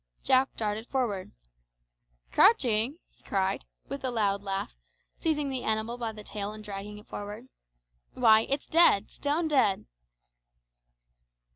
Jack darted forward. "Crouching!" he cried, with a loud laugh, seizing the animal by the tail and dragging it forth; "why, it's dead stone dead."